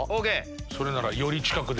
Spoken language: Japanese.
それならより近くで。